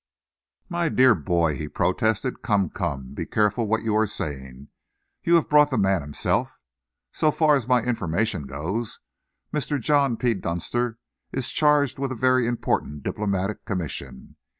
"My dear boy," he protested, "come, come, be careful what you are saying. You have brought the man himself! So far as my information goes, Mr. John P. Dunster is charged with a very important diplomatic commission.